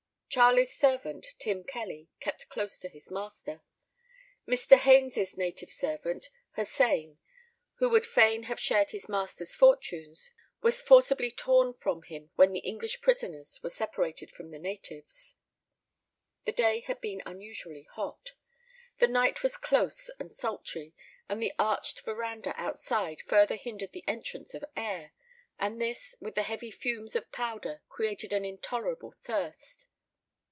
Charlie's servant, Tim Kelly, kept close to his master. Mr. Haines' native servant, Hossein, who would fain have shared his master's fortunes, was forcibly torn from him when the English prisoners were separated from the natives. The day had been unusually hot. The night was close and sultry, and the arched verandah outside further hindered the entrance of air, and this, with the heavy fumes of powder, created an intolerable thirst.